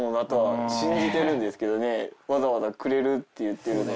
わざわざくれるって言ってるので。